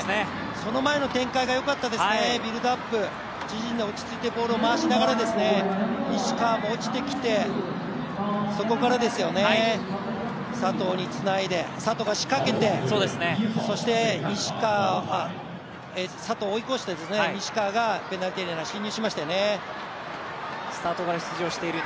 その前の展開がよかったですね、ビルドアップ、自陣で落ち着いて、ボールを回しながら西川も落ちてきてそこからですよね、佐藤につないで佐藤が仕掛けて、そして佐藤を追い越して西川がペナルティーエリアに進入しましたよ、る